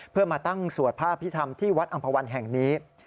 เพื่อมาตั้งสวดพระพิธรรมที่วัดอำภาวันแห่งนี้